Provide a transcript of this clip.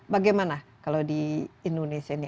bagaimana kalau di indonesia ini